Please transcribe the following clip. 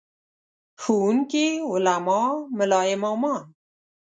ښوونکي، علما، ملا امامان.